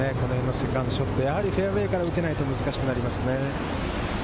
セカンドショット、やはりフェアウエーから打てないと難しくなりますね。